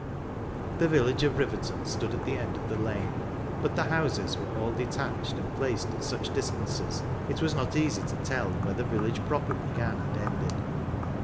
The village of Riverton stood at the end of the lane ; but the houses were all detached and placed at such distances, it was not easy to tell where the village proper began and ended.